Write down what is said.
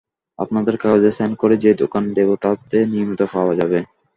আপনাদের কাগজে সাইন করে যে দোকান দেবো, তাতে নিয়মিতই পাওয়া যাবে।